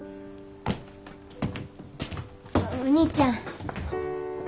お兄ちゃん。